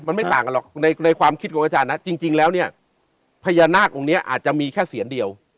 มันไม่ต่างกันหรอกในความคิดของอาจารย์นะจริงแล้วเนี่ยพญานาคองค์นี้อาจจะมีแค่เสียนเดียว